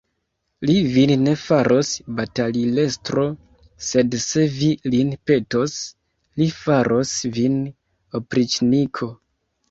Li vin ne faros batalilestro, sed, se vi lin petos, li faros vin opriĉniko.